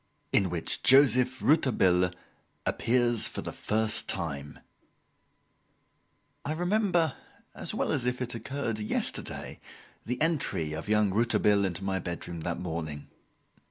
In Which Joseph Rouletabille Appears for the First Time I remember as well as if it had occurred yesterday, the entry of young Rouletabille into my bedroom that morning.